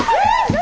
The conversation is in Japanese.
何？